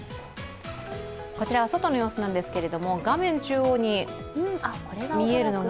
こちらは外の様子なんですけれども、画面中央に見えるのが。